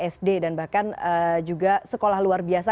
sekolah luar biasa